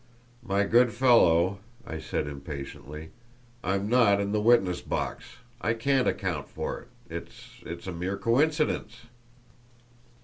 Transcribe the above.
"My good fellow," I said, impatiently, "I'm not in the witness box. I can't account for it. It it's a mere coincidence!"